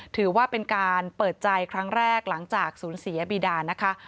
ถือว่าเป็นการเปิดใจครั้งแรกหลังจากสูญเสียบีดานะคะ